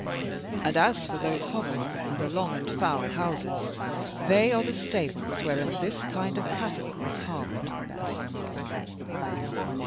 And as for those hovels and the long and foul houses, they are the stables wherein this kind of cattle is harboured."